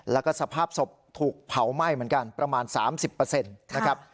แล้วก็สภาพศพถูกเผาไหม้เหมือนกันประมาณ๓๐นะครับ